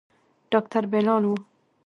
ډاکتر بلال و.